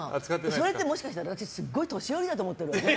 それってもしかしてすごい年寄りだと思ってるわけ？